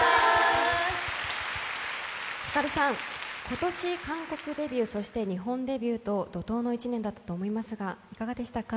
ヒカルさん、今年韓国デビューそして日本デビューと怒とうの一年だったと思いますが、いかがですか？